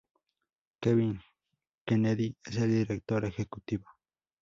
Kevin J. Kennedy es el director ejecutivo.